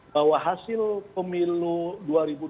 bahwa hasil pemilu dua tahun